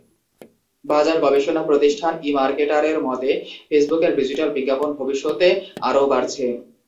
বাজার গবেষণা প্রতিষ্ঠান ইমার্কেটারের মতে, ফেসবুকের ডিজিটাল বিজ্ঞাপন ভবিষ্যতে আরও বাড়ছে।